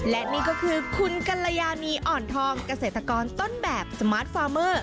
และนี่ก็คือคุณกัลยานีอ่อนทองเกษตรกรต้นแบบสมาร์ทฟาร์เมอร์